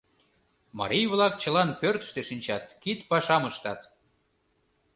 Марий-влак чылан пӧртыштӧ шинчат, кид пашам ыштат.